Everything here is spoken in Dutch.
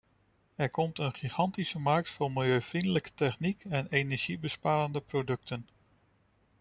Er komt een gigantische markt voor milieuvriendelijke techniek en energiebesparende producten.